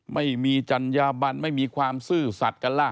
ไม่มีจัญญาบันไม่มีความซื่อสัตว์กันล่ะ